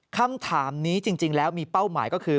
คำถามนี้จริงแล้วมีเป้าหมายก็คือ